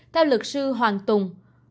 theo lực sư hoàng tùng